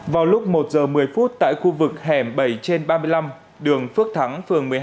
vào lúc một giờ một mươi phút tại khu vực hẻm bảy trên ba mươi năm đường phước thắng phường một mươi hai